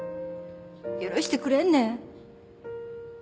許してくれんね。